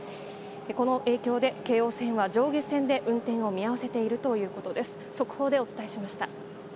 この影響で、京王線は上下線で運転を見合わせているということです。